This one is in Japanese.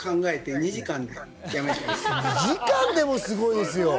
２時間でもすごいですよ。